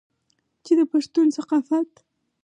چې د پښتون ثقافت